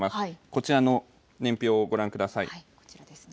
こちらの年表をご覧ください。